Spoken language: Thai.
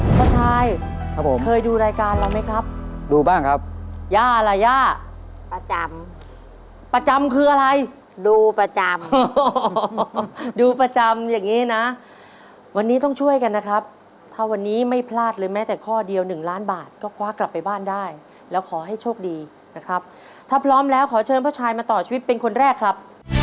พ่อชายครับผมเคยดูรายการเราไหมครับดูบ้างครับย่าล่ะย่าประจำประจำคืออะไรดูประจำดูประจำอย่างนี้นะวันนี้ต้องช่วยกันนะครับถ้าวันนี้ไม่พลาดเลยแม้แต่ข้อเดียว๑ล้านบาทก็คว้ากลับไปบ้านได้แล้วขอให้โชคดีนะครับถ้าพร้อมแล้วขอเชิญพ่อชายมาต่อชีวิตเป็นคนแรกครับ